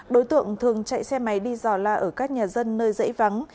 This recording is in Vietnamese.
đối tượng thường chạy xe máy đi dò la ở các nhà dân nơi dãy vắng